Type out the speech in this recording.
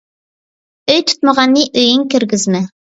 ئۆي تۇتمىغاننى ئۆيۈڭگە كىرگۈزمە